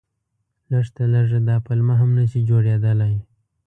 لږ تر لږه دا پلمه هم نه شي جوړېدلای.